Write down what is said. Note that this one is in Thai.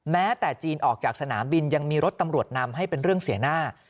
แม้แต่จีนออกจากสนามบินยังมีรถตำรวจนำให้เป็นเรื่องเสียหน้า